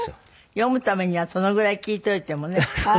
読むためにはそのぐらい聞いておいてもね。